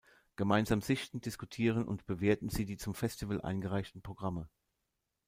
Gemeinsam sichten, diskutieren und bewerten sie die zum Festival eingereichten Programme.